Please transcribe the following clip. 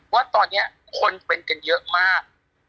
ว่าตอนนี้คนเป็นกันเยอะมาก